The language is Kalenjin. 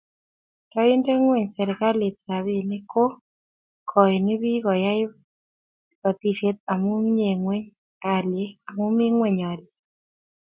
Nda inde ngweny serikalit rabinik ko koini bik koyai batishet amu mie ngweny alyet